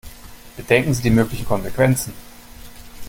Bedenken Sie die möglichen Konsequenzen.